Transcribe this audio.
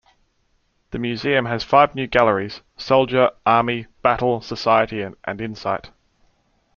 The museum has five new galleries – Soldier, Army, Battle, Society and Insight.